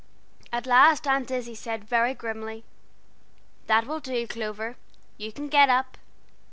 At last Aunt Izzie said very grimly: "That will do, Clover, you can get up!"